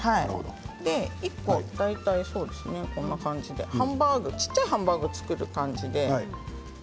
１個大体こんな感じでハンバーグ小さいハンバーグを作る感じで。